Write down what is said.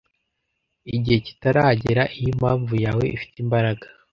Igihe kitaragera! Iyo impamvu yawe ifite imbaraga,